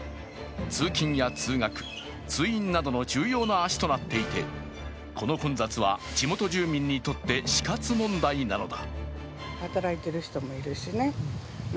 通勤や通学、通院などの重要な足となっていてこの混雑は地元住民にとって死活問題なのだ。